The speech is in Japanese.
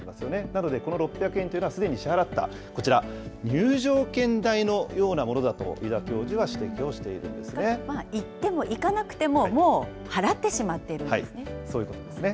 なのでこの６００円というのは、すでに支払ったこちら、入場券代のようなものだと井田教授は指摘行っても行かなくても、もうそういうことですね。